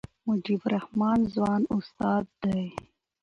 مجيب الرحمن ځوان استعداد دئ.